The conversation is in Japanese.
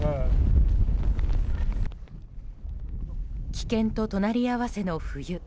危険と隣り合わせの冬。